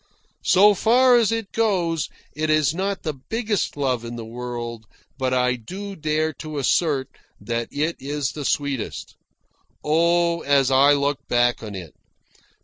So far as it goes it is not the biggest love in the world, but I do dare to assert that it is the sweetest. Oh, as I look back on it!